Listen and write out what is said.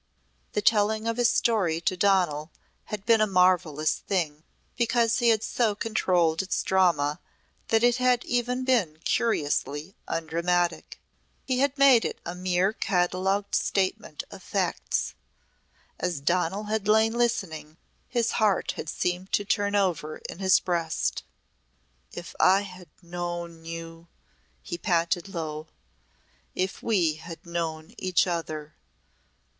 The telling of his story to Donal had been a marvellous thing because he had so controlled its drama that it had even been curiously undramatic. He had made it a mere catalogued statement of facts. As Donal had lain listening his heart had seemed to turn over in his breast. "If I had known you!" he panted low. "If we had known each other!